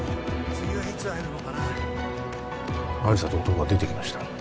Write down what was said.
次はいつ会えるのかな亜理紗と男が出てきました